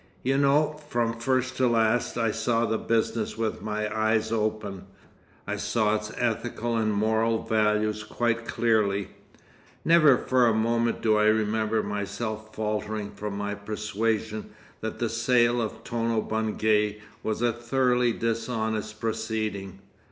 You know, from first to last, I saw the business with my eyes open, I saw its ethical and moral values quite clearly. Never for a moment do I remember myself faltering from my persuasion that the sale of Tono Bungay was a thoroughly dishonest proceeding.